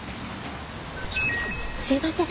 すいません。